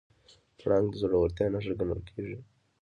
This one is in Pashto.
پړانګ د زړورتیا نښه ګڼل کېږي.